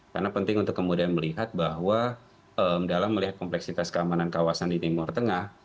karena penting untuk kemudian melihat bahwa dalam melihat kompleksitas keamanan kawasan di timur tengah